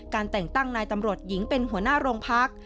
แต่งตั้งนายตำรวจหญิงเป็นหัวหน้าโรงพัก